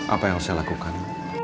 apa yang saya lakukan